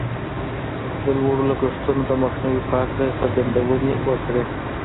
د لوړو لګښتونو د مخنيوي په هکله يې څرګندونې وکړې.